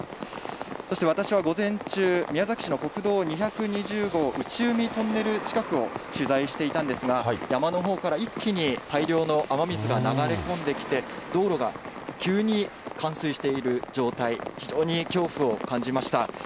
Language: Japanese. そして私は午前中、宮崎市の国道２０号、内海トンネル近くを取材していたんですが、山のほうから一気に大量の雨水が流れ込んできて、道路が急に冠水している状態、非常に恐怖を感じました。